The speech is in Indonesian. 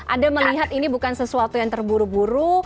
anda melihat ini bukan sesuatu yang terburu buru